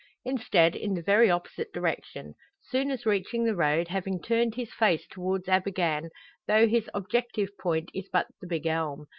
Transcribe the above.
Instead, in the very opposite direction; soon as reaching the road, having turned his face towards Abergann, though his objective point is but the "big elm."